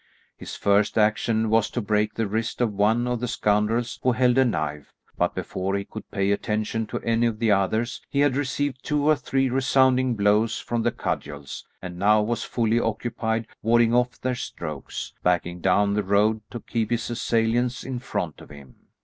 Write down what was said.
His first action was to break the wrist of one of the scoundrels who held a knife, but before he could pay attention to any of the others he had received two or three resounding blows from the cudgels, and now was fully occupied warding off their strokes, backing down the road to keep his assailants in front of him.